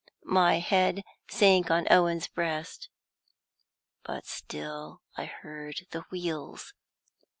My head sank on Owen's breast but I still heard the wheels.